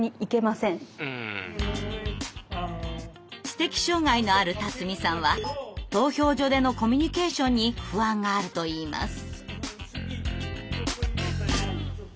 知的障害のある辰己さんは投票所でのコミュニケーションに不安があるといいます。